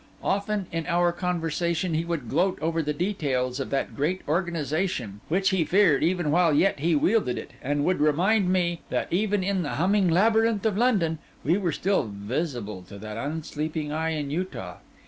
Often, in our conversation, he would gloat over the details of that great organisation, which he feared even while yet he wielded it; and would remind me, that even in the humming labyrinth of London, we were still visible to that unsleeping eye in Utah.